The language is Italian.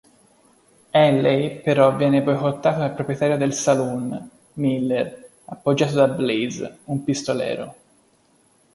Henley però viene boicottato dal proprietario del saloon, Miller, appoggiato da Blaze, un pistolero.